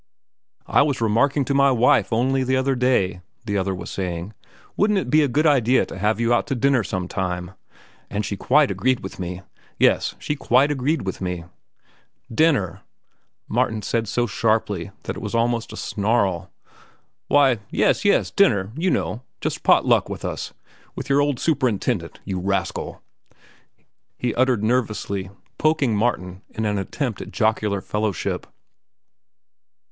"I was remarking to my wife only the other day," the other was saying, "wouldn't it be a good idea to have you out to dinner some time? And she quite agreed with me. Yes, she quite agreed with me." "Dinner?" Martin said so sharply that it was almost a snarl. "Why, yes, yes, dinner, you know—just pot luck with us, with your old superintendent, you rascal," he uttered nervously, poking Martin in an attempt at jocular fellowship.